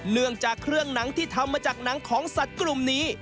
เนื่องจากเครื่องหนังที่ทำมาจากหนังของสัตว์กลุ่มนี้